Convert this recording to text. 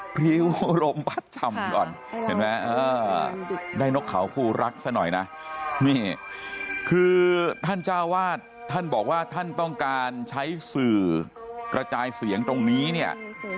พริวโรมพัดชำก่อนได้นกเขาคู่รักสักหน่อยนะคือท่านจ้าวาดท่านบอกว่าท่านต้องการใช้สื่อกระจายเสียงตรงนี้เนี่ย